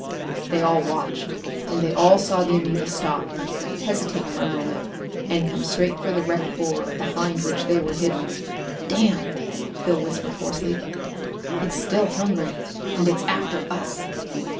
They all watched. And they all saw the amoeba stop, hesitate for a moment and come straight for the wrecked borer behind which they were hidden. "Damn!" Phil whispered hoarsely. "It's still hungry and it's after us!"